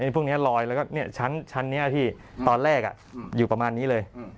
พวกนี้ลอยแล้วก็ชั้นนี้ที่ตอนแรกอยู่ประมาณนี้เลย